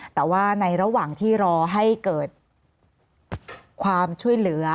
แต่ว่าในระหว่างที่รอให้เกิดความช่วยเหลือ